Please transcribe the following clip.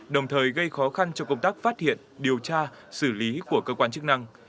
đồng thời gây khó khăn cho công tác phát hiện điều tra xử lý của cơ quan chức năng